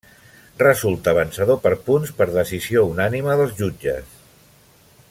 Resulta vencedor per punts per decisió unànime dels jutges.